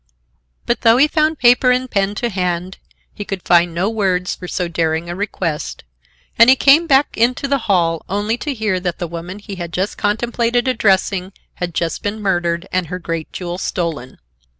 But though he found paper and pen to hand, he could find no words for so daring a request, and he came back into the hall, only to hear that the woman he had contemplated addressing had just been murdered and her great jewel stolen.